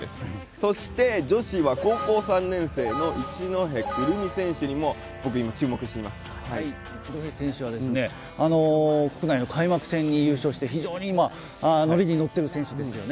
そして女子は高校３年生の一戸くる実選手にも国内の開幕戦で優勝して非常に今、ノリにノッている選手ですよね。